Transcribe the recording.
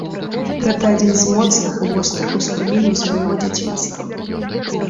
Гэта адзін з моцных і вострых успамінаў з майго дзяцінства.